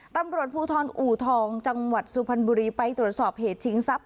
ตำรวจภูทรอูทองจังหวัดสุพรรณบุรีไปตรวจสอบเหตุชิงทรัพย